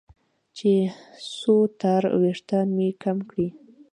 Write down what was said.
چې څو تاره وېښتان مې کم کړي.